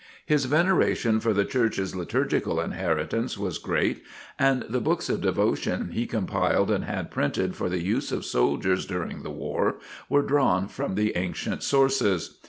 His veneration for the Church's liturgical inheritance was great, and the books of devotion he compiled and had printed for the use of soldiers during the war were drawn from the ancient sources.